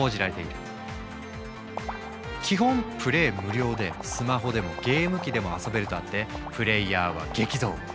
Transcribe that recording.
無料でスマホでもゲーム機でも遊べるとあってプレイヤーは激増。